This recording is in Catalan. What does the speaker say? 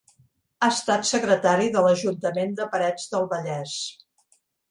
Ha estat secretari de l'ajuntament de Parets del Vallès.